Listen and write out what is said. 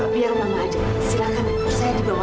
biar mama aja silahkan saya dibawa